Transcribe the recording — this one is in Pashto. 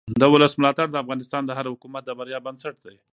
د ولس ملاتړ د افغانستان د هر حکومت د بریا بنسټ دی